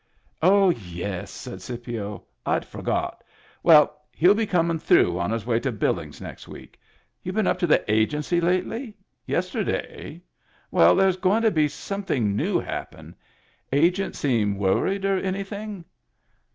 "Oh, yes," said Scipio. "I'd forgot. Well, he'Ube coming through on his way to Billings next week. You been up to the Agency lately ? Yesterday? Well, there's going to be some thing new happen. Agent seem worried or any thing?"